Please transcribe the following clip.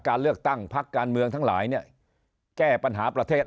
การเลือกตั้งพักการเมืองทั้งหลายเนี่ยแก้ปัญหาประเทศ